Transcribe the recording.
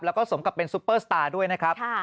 แล้วก็สมกับเป็นซุปเปอร์สตาร์ด้วยนะครับ